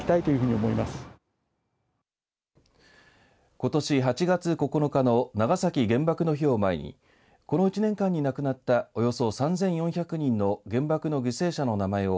ことし８月９日の長崎原爆の日を前にこの１年間に亡くなったおよそ３４００人の原爆の犠牲者の名前を